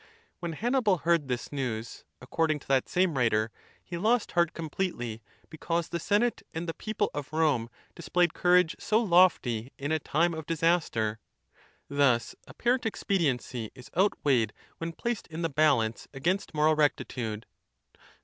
When Hannibal heard this newSj according to that same writer, he lost heart completely, because the senate and the people of Rome displayed courage so lofty in a time of disaster. Thus apparent expediency is outweighed when placed in the balance against moral rectitude.